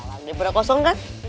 mandi ibak tuh mandi